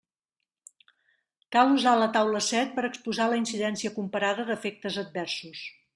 Cal usar la taula set per a exposar la incidència comparada d'efectes adversos.